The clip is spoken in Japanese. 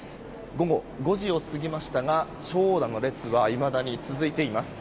午後５時を過ぎましたが長蛇の列はいまだに続いています。